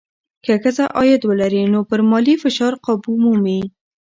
که ښځه عاید ولري، نو پر مالي فشار قابو مومي.